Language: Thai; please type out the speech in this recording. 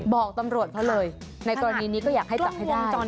บอกตำรวจเขาเลยในกรณีนี้ก็อยากให้จับให้ได้